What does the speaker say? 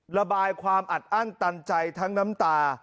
ระบายความอัดอั้นตันใจทั้งน้ำตา